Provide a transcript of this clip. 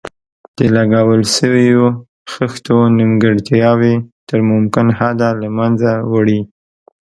د لګول شویو خښتو نیمګړتیاوې تر ممکن حده له منځه وړي.